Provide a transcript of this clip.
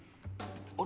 あれ？